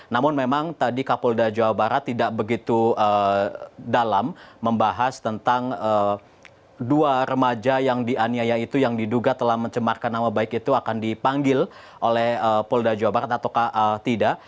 namun memang tadi kapolda jawa barat tidak begitu dalam membahas tentang dua remaja yang dianiaya itu yang diduga telah mencemarkan nama baik itu akan dipanggil oleh polda jawa barat atau tidak